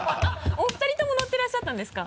お二人とも乗ってらっしゃったんですか？